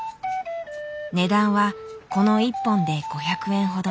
値段はこの一本で５００円ほど。